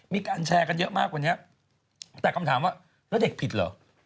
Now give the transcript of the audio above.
มีการแชร์กันเยอะมากวันนี้แต่คำถามว่าแล้วเด็กผิดเหรอ